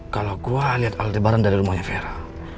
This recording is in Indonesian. kalo gue liat aldebaran dari rumahnya vera